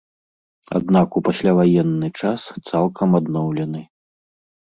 Аднак у пасляваенны час цалкам адноўлены.